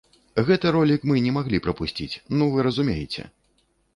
Гэты ролік мы не маглі прапусціць, ну вы разумееце!